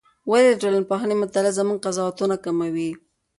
ولې د ټولنپوهنې مطالعه زموږ قضاوتونه کموي؟